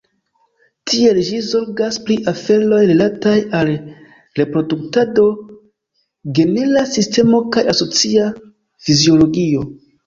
Tiele ĝi zorgas pri aferoj rilataj al reproduktado, genera sistemo kaj asocia fiziologio.